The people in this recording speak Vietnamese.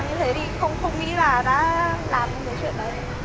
nhìn thể trạng như thế thì không nghĩ là đã làm được cái chuyện đấy